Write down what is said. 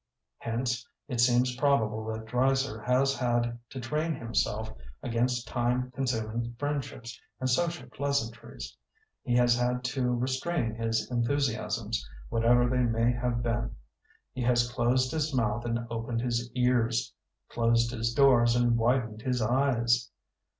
Hence, it seems probable that Dreiser has had to train himself against time consum ing friendships and social pleasant ries. He has had to restrain his en thusiasms, whatever they may have been. He has closed his mouth and opened his ears; closed his doors and widened his eyes.